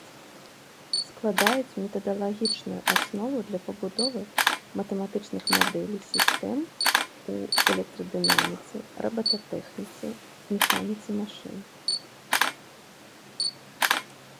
Складаюць метадалагічную аснову для пабудовы матэматычных мадэлей сістэм у электрадынаміцы, робататэхніцы, механіцы машын.